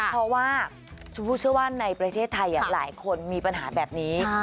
เพราะว่าชมพู่เชื่อว่าในประเทศไทยหลายคนมีปัญหาแบบนี้